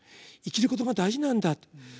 生きることが大事なんだと。